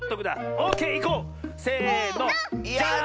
オーケーいこう！せの。